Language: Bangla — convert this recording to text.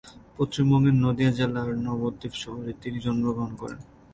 পশ্চিমবঙ্গের নদিয়া জেলার নবদ্বীপ শহরে তিনি জন্মগ্রহণ করেন।